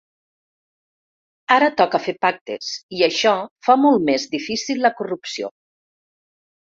Ara toca fer pactes i això fa molt més difícil la corrupció.